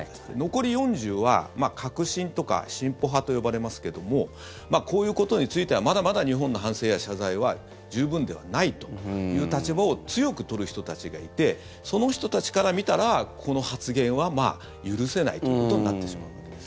残り４０は革新とか進歩派と呼ばれますけどもこういうことについてはまだまだ日本の反省や謝罪は十分ではないという立場を強く取る人たちがいてその人たちから見たらこの発言は許せないということになってしまうわけです。